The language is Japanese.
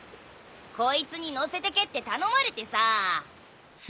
こいつに乗せてけって頼まれてさ。